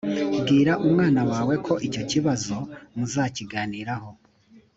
bwira umwana wawe ko icyo kibazo muzakiganiraho.